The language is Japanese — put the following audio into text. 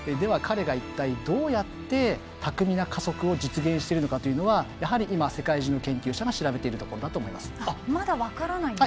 彼がどうやって巧みな加速を実現しているのかというのはやはり世界中の研究者が調べているところだと思います。